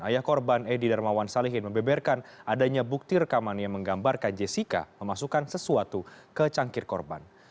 ayah korban edy darmawan salihin membeberkan adanya bukti rekaman yang menggambarkan jessica memasukkan sesuatu ke cangkir korban